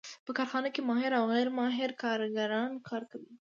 په کارخانه کې ماهر او غیر ماهر کارګران کار کوي